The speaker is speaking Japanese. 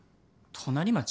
隣町？